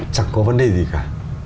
chẳng có vấn đề gì cả